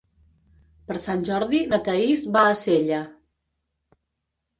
Per Sant Jordi na Thaís va a Sella.